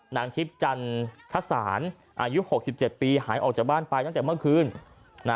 นางทิพย์จันทศาลอายุ๖๗ปีหายออกจากบ้านไปตั้งแต่เมื่อคืน